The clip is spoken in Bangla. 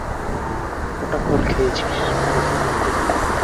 কটা কুল খেয়েছিস, দেখি মুখ দেখি?